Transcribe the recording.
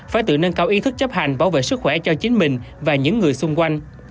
phải tự nâng cao ý thức chấp hành bảo vệ sức khỏe cho chính mình và những người xung quanh